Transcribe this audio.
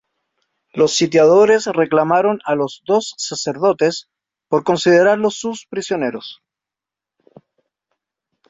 Los sitiadores reclamaron a los dos sacerdotes, por considerarlos sus prisioneros.